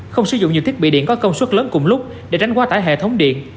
không sử dụng nhiều thiết bị điện có công suất lớn cùng lúc để tránh quá tải hệ thống điện